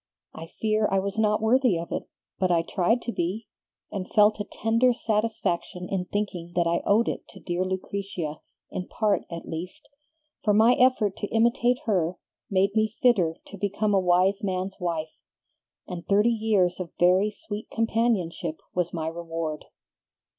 I fear I was not worthy of it, but I tried to be, and felt a tender satisfaction in thinking that I owed it to dear Lucretia, in part at least; for my effort to imitate her made me fitter to become a wise man's wife, and thirty years of very sweet companionship was my reward."